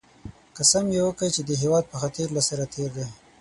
قسم یې وکی چې د هېواد په خاطر له سره تېر دی